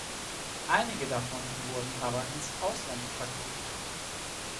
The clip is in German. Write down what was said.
Einige davon wurden aber ins Ausland verkauft.